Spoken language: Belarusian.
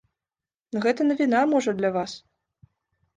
Гэта навіна, можа, для вас.